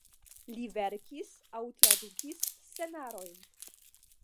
Li verkis aŭ tradukis scenarojn.